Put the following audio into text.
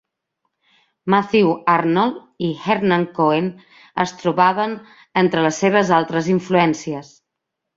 Matthew Arnold i Hermann Cohen es trobaven entre les seves altres influències.